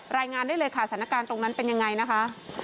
รายงานได้เลยค่ะสถานการณ์ตรงนั้นเป็นยังไงนะคะ